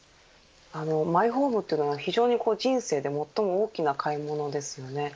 マイホームというのは非常に人生で最も大きな買い物ですよね。